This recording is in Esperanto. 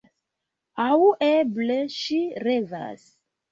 Aŭ eble ŝi revas.